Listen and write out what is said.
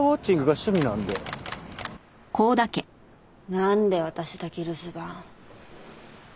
なんで私だけ留守番？